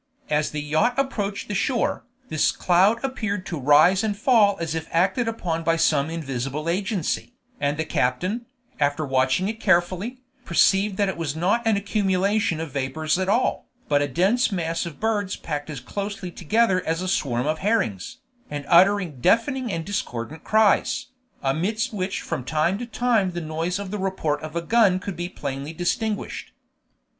As the yacht approached the shore, this cloud appeared to rise and fall as if acted upon by some invisible agency, and the captain, after watching it carefully, perceived that it was not an accumulation of vapors at all, but a dense mass of birds packed as closely together as a swarm of herrings, and uttering deafening and discordant cries, amidst which from time to time the noise of the report of a gun could be plainly distinguished.